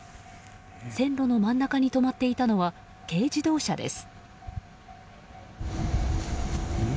線路の真ん中に止まっていたのは軽自動車です。